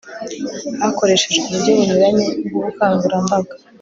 hakoreshejwe uburyo bunyuranye bw'ubukangurambaga